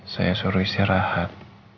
saya suruh istirahat